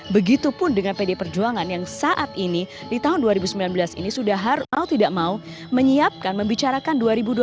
begitupun dengan pd perjuangan yang saat ini di tahun dua ribu sembilan belas ini sudah mau tidak mau menyiapkan membicarakan dua ribu dua puluh empat